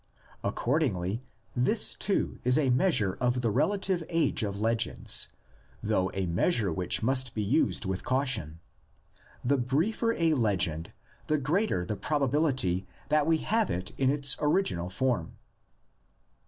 Accordingly, this too is a measure of the relative age of legends, though a measure which must be used with caution: the briefer a legend, the greater the probability that we have it in its orig inal form.